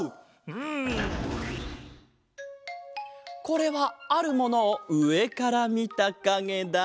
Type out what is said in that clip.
これはあるものをうえからみたかげだ。